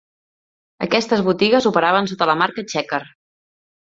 Aquestes botigues operaven sota la marca Checker.